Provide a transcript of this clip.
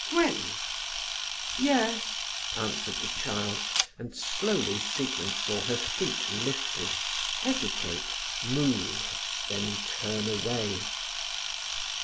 "Gwen!" "Yes," answered the child, and slowly Siegmund saw her feet lifted, hesitate, move, then turn away.